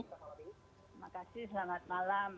terima kasih selamat malam